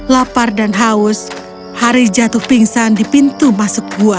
lapar dan haus haris jatuh pingsan di pintu masuk gua